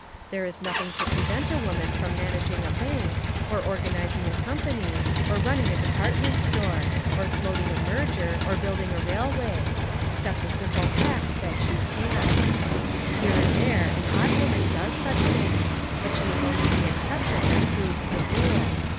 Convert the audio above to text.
There is nothing to prevent a woman from managing a bank, or organising a com pany, or running a department store, or float ing a merger, or building a railway, — except the simple fact that she can't. Here and there an odd woman does such things, but she Is only the exception that proves the rule.